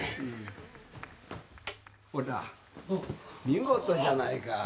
見事じゃないか。